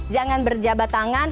jangan berjabat tangan